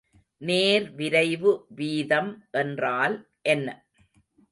நேர்விரைவு வீதம் என்றால் என்ன?